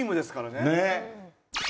ねえ。